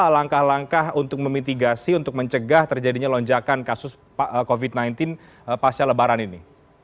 langkah langkah untuk memitigasi untuk mencegah terjadinya lonjakan kasus covid sembilan belas pasca lebaran ini